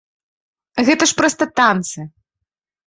Гэта ж проста танцы.